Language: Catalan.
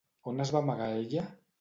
On es va amagar ella?